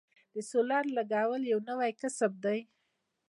د سولر لګول یو نوی کسب دی